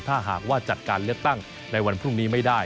ถ้าหากว่าจัดการเลือกตั้งในวันพรุ่งนี้ไม่ได้